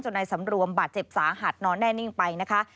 ในสำรวมบาดเจ็บสาหัสนอนแน่นิ่งไปนะคะ